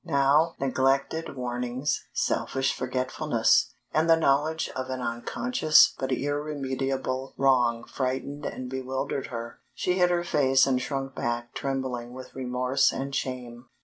Now neglected warnings, selfish forgetfulness, and the knowledge of an unconscious but irremediable wrong frightened and bewildered her; she hid her face and shrunk back trembling with remorse and shame.